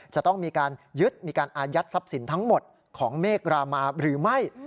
จะต้องมีการยึดมีการอายัดทรัพย์สินทั้งหมดของเมฆรามาหรือไม่